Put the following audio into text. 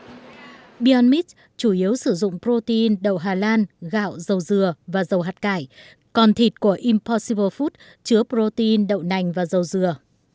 như thật beyond meat chủ yếu sử dụng protein đậu hà lan gạo dầu dừa và dầu hạt cải còn thịt của impossible food chứa protein đậu nành và dầu dừa